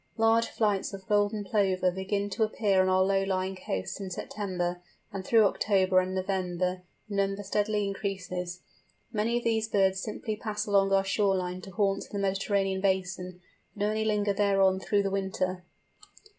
Large flights of Golden Plover begin to appear on our low lying coasts in September, and through October and November the number steadily increases. Many of these birds simply pass along our shore line to haunts in the Mediterranean basin, but many linger thereon through the winter.